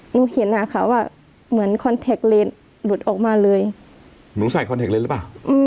หนูเห็นอ่ะค่ะว่าเหมือนคอนแท็กเลนหลุดออกมาเลยหนูใส่คอนเทคเลนสหรือเปล่า